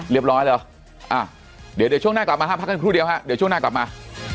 เรียบร้อยแล้วเดี๋ยวช่วงหน้ากลับมาห้ามพักกันครู่เดียวฮะเดี๋ยวช่วงหน้ากลับมา